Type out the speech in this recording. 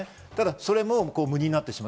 それも無になってしまう。